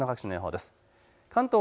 あすの各地の予報です。